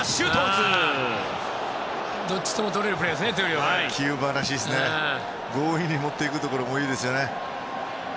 強引に持っていくところもいいですね。